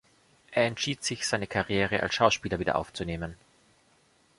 Er entschied sich, seine Karriere als Schauspieler wieder aufzunehmen.